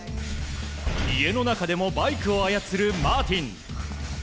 家の中でもバイクを操るマーティン。